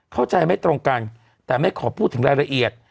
เข้าใจไม่ตรงกันแต่ไม่ขอพูดถึงรายละเอียด